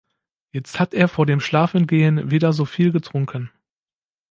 Jetzt hat er vor dem Schlafengehen wieder so viel getrunken!